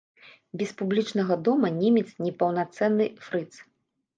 Без публічнага дома немец непаўнацэнны фрыц.